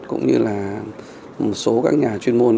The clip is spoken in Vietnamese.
cũng như là một số các nhà chuyên môn